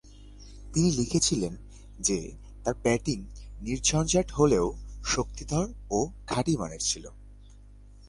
তিনি লিখেছিলেন যে, তার ব্যাটিং নির্ঝঞ্ঝাট হলেও শক্তিধর ও খাঁটিমানের ছিল।